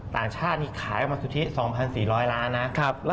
ต่างชาตินี่ขายออกมาสุทธิ๒๔๐๐ล้านนะ